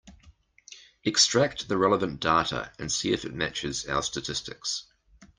Extract the relevant data and see if it matches our statistics.